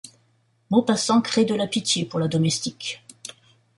Maupassant crée de la pitié pour la domestique.